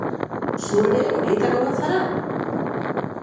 Zu ere horietako bat zara?